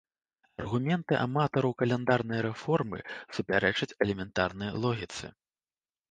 Аргументы аматараў каляндарнай рэформы супярэчаць элементарнай логіцы.